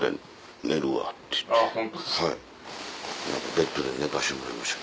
ベッドで寝かせてもらいました